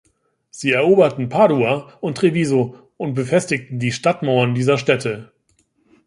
Sie eroberten Padua und Treviso und befestigten die Stadtmauern dieser Städte.